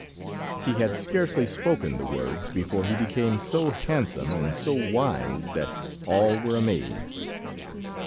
He had scarcely spoken the words before he became so handsome and so wise that all were amazed.